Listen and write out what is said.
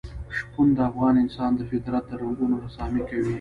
شپون د افغان انسان د فطرت د رنګونو رسامي کوي.